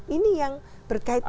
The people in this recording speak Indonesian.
ini yang berkaitan dengan ekonomi